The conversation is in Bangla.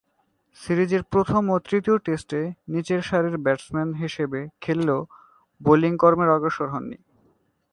সিরিজের প্রথম ও তৃতীয় টেস্টে নিচেরসারির ব্যাটসম্যান হিসেবে খেললেও বোলিং কর্মে অগ্রসর হননি।